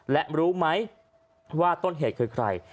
และรู้มั้ยว่าต้นเหตุใคร